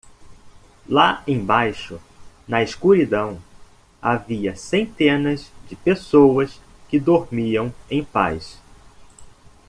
Lá embaixo, na escuridão, havia centenas de pessoas que dormiam em paz.